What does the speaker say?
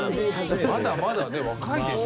まだまだね若いでしょ。